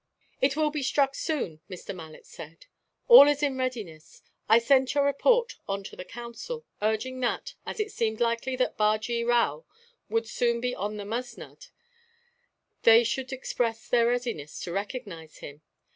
"It will be struck soon," Mr. Malet said. "All is in readiness. I sent your report on to the Council, urging that, as it seemed likely that Bajee Rao would soon be on the musnud, they should express their readiness to recognize him.